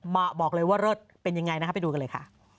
มาบอกเลยว่ารสเป็นอย่างไรนะครับไปดูกันเลยค่ะ